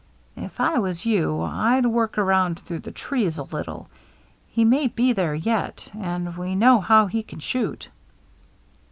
" If I was you, I'd work around through the trees a little. He may be there yet, and we know how he can shoot."